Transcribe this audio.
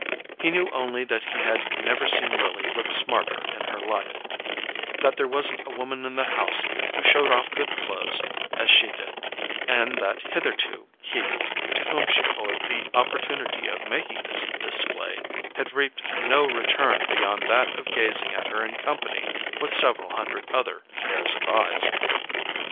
He knew only that he had never seen Lily look smarter in her life, that there wasn't a woman in the house who showed off good clothes as she did, and that hitherto he, to whom she owed the opportunity of making this display, had reaped no return beyond that of gazing at her in company with several hundred other pairs of eyes.